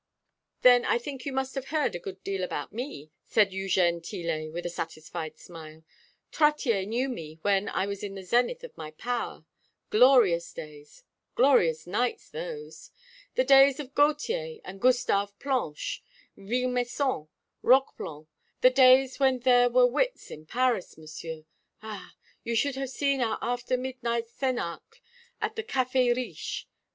"Then I think you must have heard a good deal about me," said Eugène Tillet, with a satisfied smile. "Trottier knew me when I was in the zenith of my power glorious days glorious nights those. The days of Gautier and Gustave Planche, Villemessant, Roqueplan the days when there were wits in Paris, Monsieur. Ah! you should have seen our after midnight cénacle at the Café Riche.